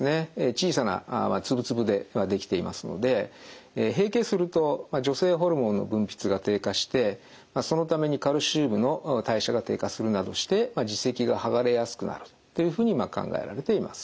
小さな粒々でできていますので閉経すると女性ホルモンの分泌が低下してそのためにカルシウムの代謝が低下するなどして耳石がはがれやすくなるというふうに考えられています。